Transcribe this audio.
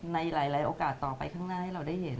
ในหลายโอกาสต่อไปข้างหน้าให้เราได้เห็น